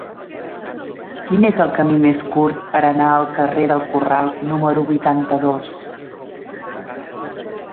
Quin és el camí més curt per anar al carrer del Corral número vuitanta-dos?